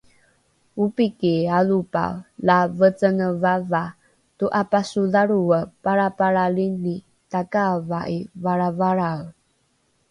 opiki alopae la vecenge vavaa to’apasodhalroe palrapalralini takaava’i valravalrae